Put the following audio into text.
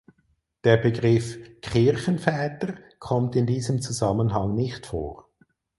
Der Begriff Kirchenväter kommt in diesem Zusammenhang nicht vor.